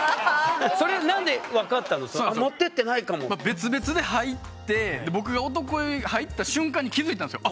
別々で入って僕が男湯入った瞬間に気付いたんですよ。